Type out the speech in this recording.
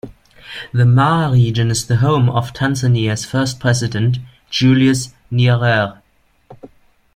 The Mara Region is the home of Tanzania's first president, Julius Nyerere.